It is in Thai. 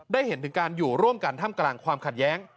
ได้เห็นถึงการอยู่ร่วมกันท่ามกลางความขัดแย้ง